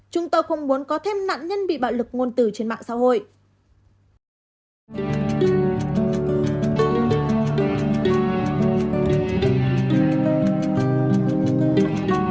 chúng tôi không muốn có thêm nạn nhân bị bạo lực ngôn tử trên mạng xã hội